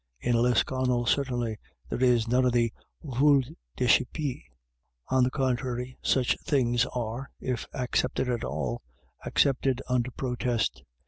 In Lisconnel, certainly, there is none of this vult decipu On the contrary, such things are, if accepted at all, accepted under protest.